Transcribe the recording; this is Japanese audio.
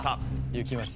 いきます。